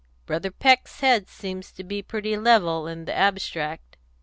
Brother Peck's head seems to be pretty level, in the abstract."